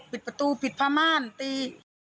ปิดประตูปิดพามารตี